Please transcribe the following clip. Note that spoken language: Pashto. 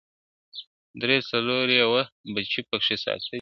درې څلور یې وه بچي پکښي ساتلي !.